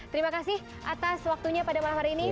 terima kasih atas waktunya pada malam hari ini